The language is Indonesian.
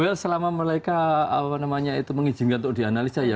well selama mereka mengizinkan untuk dianalisa ya